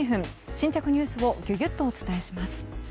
新着ニュースをギュギュッとお伝えします。